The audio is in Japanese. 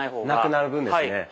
なくなる分ですね。